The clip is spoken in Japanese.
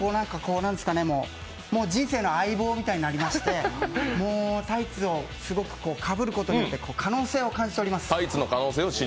もう人生の相棒みたいになりまして、タイツをかぶることによって可能性を感じております。